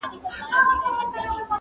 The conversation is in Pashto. نکير منکر که وايي نوم دې څه دې؟